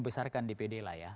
membesarkan dpd lah ya